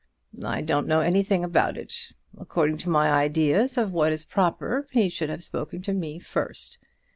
"I don't know anything about it. According to my ideas of what is proper he should have spoken to me first.